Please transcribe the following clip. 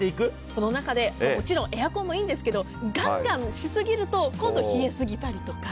その中でもちろんエアコンもいいんですけど、ガンガンしすぎると今度冷えすぎたりとか。